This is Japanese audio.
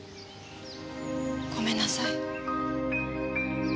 ごめんなさい。